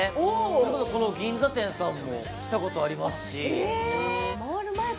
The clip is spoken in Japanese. それこそこの銀座店さんも来たことありますしそうなんですよ